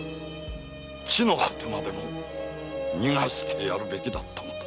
地の果てまでも逃がしてやるべきだったのだ！